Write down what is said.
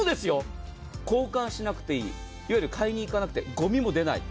交換しなくていい買いに行かなくてゴミも出ない。